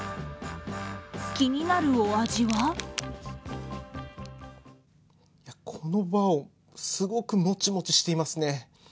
気になるお味はこのバオ、すごくもちもちしていますね。